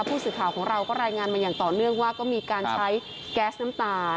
ผู้สื่อข่าวของเราก็รายงานมาอย่างต่อเนื่องว่าก็มีการใช้แก๊สน้ำตา